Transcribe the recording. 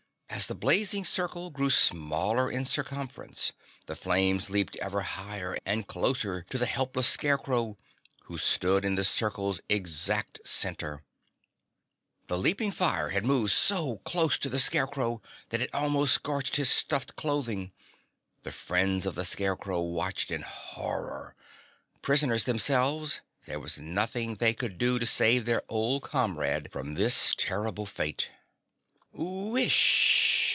As the blazing circle grew smaller in circumference, the flames leaped ever higher and closer to the helpless Scarecrow, who stood in the circle's exact center. The leaping fire had moved so close to the Scarecrow that it almost scorched his stuffed clothing. The friends of the Scarecrow watched in horror. Prisoners themselves, there was nothing they could do to save their old comrade from this terrible fate. "Whish!"